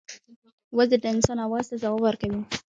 وزې د انسان آواز ته ځواب ورکوي